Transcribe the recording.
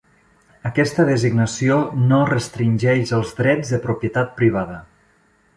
Aquesta designació no restringeix els drets de propietat privada.